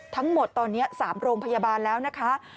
ทั้งหมดตอนนี้๓โรงพยาบาลแล้วนะคะ